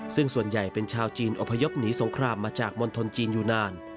ซึ่งส่วนใหญ่เป็นชาวจีนอพยพหนีสงครามมาจากมณฑลจีนอยู่นาน